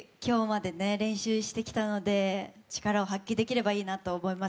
みっちり今日まで練習してきたので力を発揮できればいいなと思います。